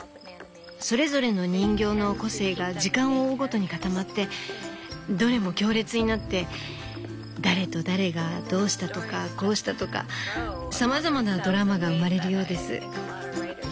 それぞれの人形の個性が時間を追うごとに固まってどれも強烈になって誰と誰がどうしたとかこうしたとかさまざまなドラマが生まれるようです。